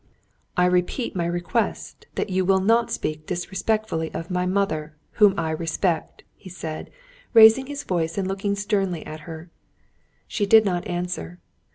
"I repeat my request that you will not speak disrespectfully of my mother, whom I respect," he said, raising his voice and looking sternly at her. She did not answer.